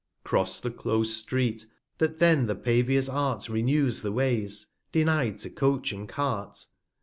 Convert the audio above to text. R i r i A Cross the close Street ; that then the Pavior's Art Renews the Ways, deny'd to Coach and Cart?